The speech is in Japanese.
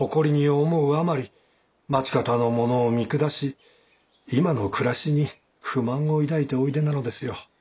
あまり町方の者を見下し今の暮らしに不満を抱いておいでなのですよ。